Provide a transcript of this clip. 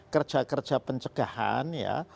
kerja kerja pencegahan ya